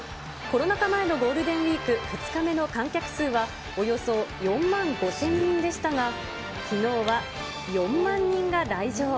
コロナ禍前のゴールデンウィーク２日目の観客数は、およそ４万５０００人でしたが、きのうは４万人が来場。